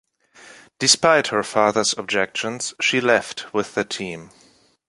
Despite her father’s objections, she left with the team.